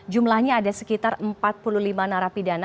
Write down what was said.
jumlahnya ada sekitar empat puluh lima narapidana